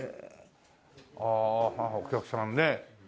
ああお客さんね。